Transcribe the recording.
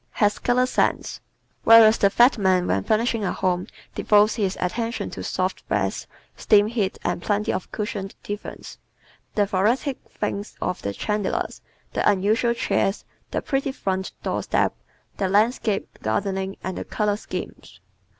Has Color Sense ¶ Whereas the fat man when furnishing a home devotes his attention to soft beds, steam heat and plenty of cushioned divans, the Thoracic thinks of the chandeliers, the unusual chairs, the pretty front doorstep, the landscape gardening and the color schemes.